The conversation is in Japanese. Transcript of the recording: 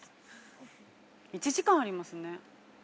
１時間ありますね。